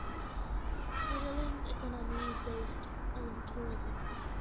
Medulin's economy is based on tourism.